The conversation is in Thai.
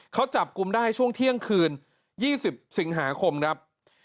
เขาจับกลุ่มได้ช่วงเที่ยงคืน๒๐สิงหาคมครับ